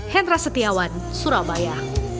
hendra setiawan surabaya